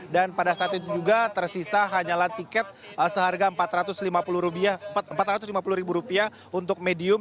dan pada saat itu juga tersisa hanyalah tiket seharga empat ratus lima puluh ribu rupiah untuk medium